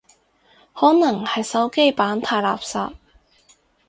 可能係手機版太垃圾